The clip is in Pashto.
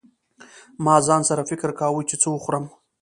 ما ځان سره فکر کاوه چې څه وخورم.